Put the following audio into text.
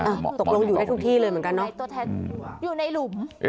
ตกลงอยู่ได้ทุกที่เลยเหมือนกันเนอะ